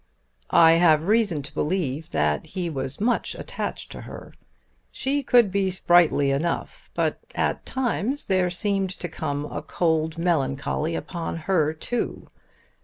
"I have reason to believe that he was much attached to her. She could be sprightly enough; but at times there seemed to come a cold melancholy upon her too.